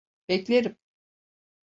Beklerim.